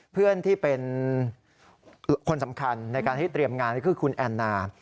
เพื่อนที่เป็นคนสำคัญในการที่เตรียมงานก็คือคุณแอนนา